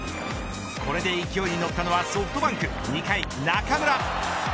これで勢いに乗ったのはソフトバンク２回、中村。